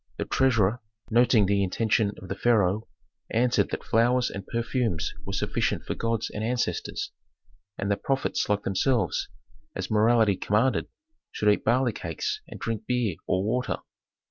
The treasurer, noting the intention of the pharaoh, answered that flowers and perfumes were sufficient for gods and ancestors, and that prophets like themselves, as morality commanded, should eat barley cakes and drink beer or water.